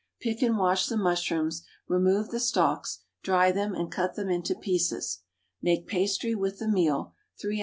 Pick and wash the mushrooms, remove the stalks, dry them and cut them into pieces; make pastry with the meal, 3 oz.